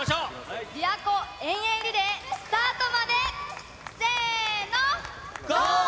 びわ湖遠泳リレー、スタートまで、せーの、５、